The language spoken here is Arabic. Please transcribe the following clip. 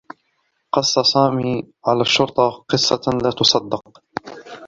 قصّ سامي على الشّرطة قصّة لا تُصدّق.